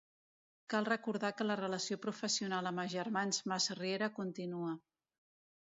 Cal recordar que la relació professional amb els germans Masriera continua.